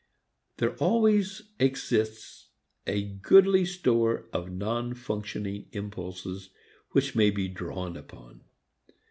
There always exists a goodly store of non functioning impulses which may be drawn upon.